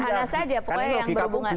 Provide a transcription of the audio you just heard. hanya saja pokoknya yang berhubungan